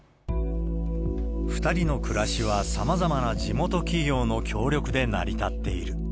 ２人の暮らしは、さまざまな地元企業の協力で成り立っている。